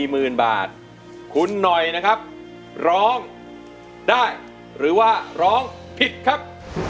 หมื่นบาทคุณหน่อยนะครับร้องได้หรือว่าร้องผิดครับ